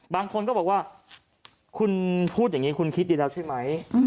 บางคนก็บอกว่าคุณพูดอย่างนี้คุณคิดดีแล้วใช่ไหม